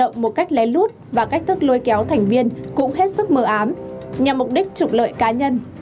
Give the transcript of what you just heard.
hoạt động một cách lén lút và cách thức lôi kéo thành viên cũng hết sức mờ ám nhằm mục đích trục lợi cá nhân